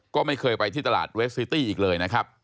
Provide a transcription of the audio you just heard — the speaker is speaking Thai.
ก็ไม่เคยไปที่ตลาดเวสซิตี้อีกเลยนะครับ